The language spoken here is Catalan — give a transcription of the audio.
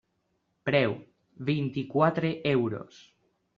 Preu: vint-i-quatre euros.